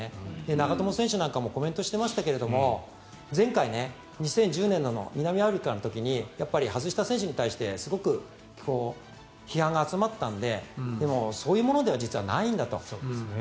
長友選手なんかもコメントしてましたけど前回２０１０年の南アフリカの時に外した選手に対してすごく批判が集まったのででも、そういうものでは実はないんだと。